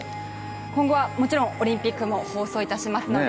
もちろんオリンピックも放送いたしますので。